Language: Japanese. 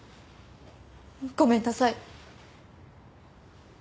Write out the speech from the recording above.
ごめんなさい。